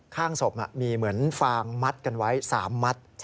ข้างศพมีเหมือนฟางมัดกันไว้๓มัด